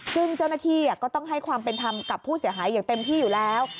ซึ่งเจ้าหน้าที่ก็ต้องให้ความเป็นธรรมกับผู้เสียหายอย่างเต็มที่อยู่แล้ว